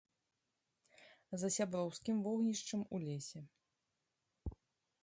За сяброўскім вогнішчам у лесе.